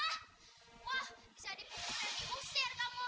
ibu jangan tinggalin kita bu